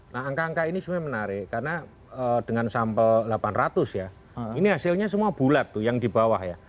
nah angka angka ini sebenarnya menarik karena dengan sampel delapan ratus ya ini hasilnya semua bulat tuh yang di bawah ya